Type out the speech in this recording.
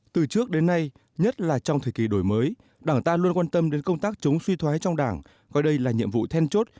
từ trước đến nay nhất là trong thời kỳ đổi mới đảng ta luôn quan tâm đến công tác chống suy thoái trong đảng coi đây là nhiệm vụ then chốt